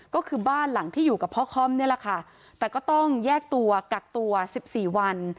ก็คือบ้านหลังที่อยู่กับพ่อค่อมนี่แหละค่ะแต่ก็ต้องแยกตัวกักตัว๑๔วัน